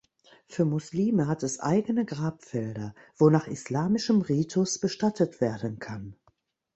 Für Muslime hat es eigene Grabfelder, wo nach islamischem Ritus bestattet werden kann.